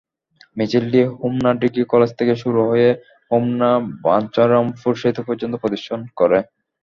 মিছিলটি Homna degree college থেকে শুরু হয়ে হোমনা-বাঞ্ছারামপুর সেতু পর্যন্ত প্রদক্ষিণ করে।